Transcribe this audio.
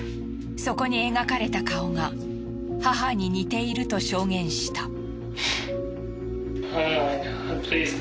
そこに描かれた顔が母に似ていると証言した。